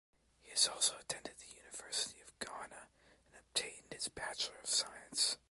He also attended the University of Ghana and obtained his Bachelor of Science.